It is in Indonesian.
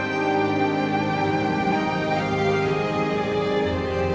saya sudah berhenti